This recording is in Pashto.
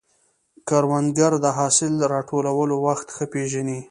کروندګر د حاصل راټولولو وخت ښه پېژني